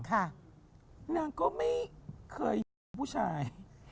นางก็ไม่เคยผู้ชาย